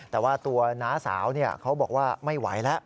แต่ว่าตัวน้าสาวเขาบอกว่าไม่ไหวแล้ว